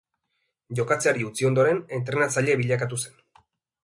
Jokatzeari utzi ondoren, entrenatzaile bilakatu zen.